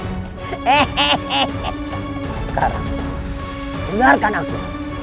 sekarang dengarkan aku